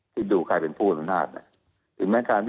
มีอำนาจต่อทำจำเลยนะคะ